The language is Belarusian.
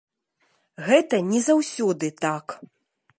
Гэта не заўсёды так.